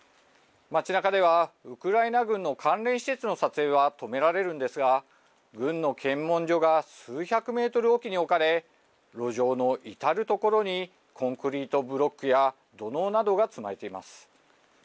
街なかでは、ウクライナ軍の関連施設の撮影は止められるんですが、軍の検問所が数百メートル置きに置かれ、路上の至る所にコンクリートブロックや土のうなどが積まれています。